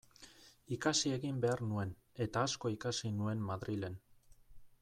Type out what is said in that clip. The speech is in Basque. Ikasi egin behar nuen, eta asko ikasi nuen Madrilen.